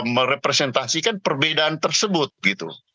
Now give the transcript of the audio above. merepresentasikan perbedaan tersebut gitu